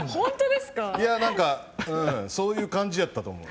そういう感じやったと思う。